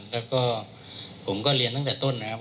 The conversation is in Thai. แล้วก็ผมก็เรียนตั้งแต่ต้นนะครับ